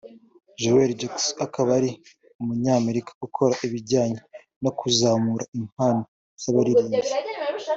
Joe Jackson akaba ari umunyamerika ukora ibijyanye no kuzamura impano z’abaririmbyi